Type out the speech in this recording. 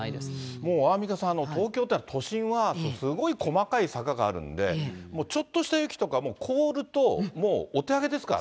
もうアンミカさん、東京というのは、都心はすごい細かい坂があるんで、ちょっとした雪とか、凍ると、もうお手上げですからね。